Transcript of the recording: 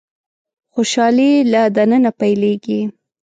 خوشالي له د ننه پيلېږي.